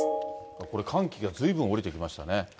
これ、寒気がずいぶん下りてきましたね。